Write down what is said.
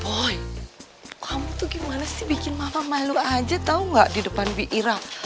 boy kamu tuh gimana sih bikin mama malu aja tau nggak di depan biira